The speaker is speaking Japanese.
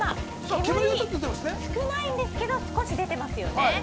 煙は少ないですけど少し出てますよね。